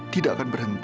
tidak akan berhenti